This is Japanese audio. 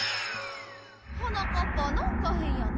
はなかっぱなんかへんやな。